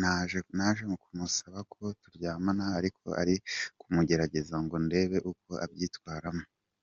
Naje kumusaba ko turyamana ariko ari ukumugerageza ngo ndebe uko abyitwaramo.